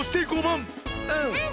うん！